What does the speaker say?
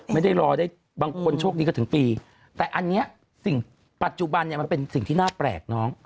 ไม่ได้รอได้บางคนโชคดีก็ถึงปีแต่อันเนี้ยมันเป็นสิ่งที่น่าแปลก